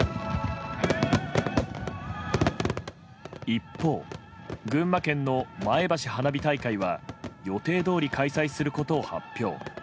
一方、群馬県の前橋花火大会は予定どおり開催することを発表。